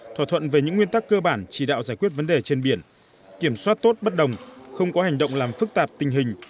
thỏa thuận về những nguyên tắc cơ bản chỉ đạo giải quyết vấn đề trên biển kiểm soát tốt bất đồng không có hành động làm phức tạp tình hình